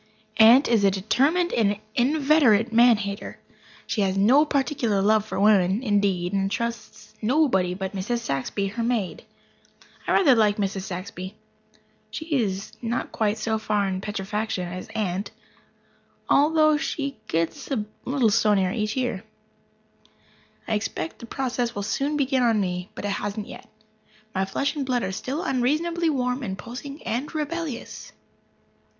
Aunt is a determined and inveterate man hater. She has no particular love for women, indeed, and trusts nobody but Mrs. Saxby, her maid. I rather like Mrs. Saxby. She is not quite so far gone in petrifaction as Aunt, although she gets a little stonier every year. I expect the process will soon begin on me, but it hasn't yet. My flesh and blood are still unreasonably warm and pulsing and rebellious.